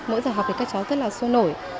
mỗi giờ học thì các cháu rất là sôi nổi